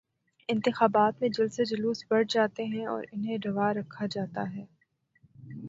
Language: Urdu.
انتخابات میں جلسے جلوس بڑھ جاتے ہیں اور انہیں روا رکھا جاتا ہے۔